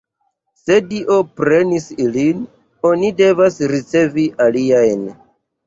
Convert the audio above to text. Se Dio prenis ilin, oni devas ricevi aliajn.